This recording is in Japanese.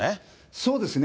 そうですね。